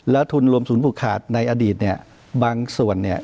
ทุนรวมศูนย์ผูกขาดในอดีตเนี่ยบางส่วนเนี่ย